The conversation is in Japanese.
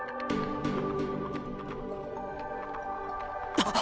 あっ！